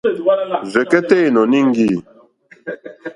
Rzɛ̀kɛ́tɛ́ ìnɔ̀ní íŋɡî.